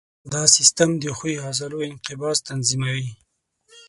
دا سیستم د ښویو عضلو انقباض تنظیموي.